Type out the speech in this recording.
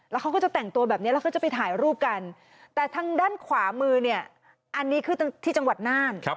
แล้วเขาก็จะแต่งตัวแบบนี้แล้วก็จะไปถ่ายรูปกันแต่ทางด้านขวามือเนี่ยอันนี้คือที่จังหวัดน่าน